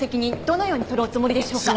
どのように取るおつもりでしょうか？